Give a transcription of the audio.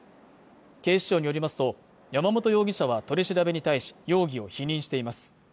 警視庁によりますとヤマモト容疑者は取り調べに対し容疑を否認しています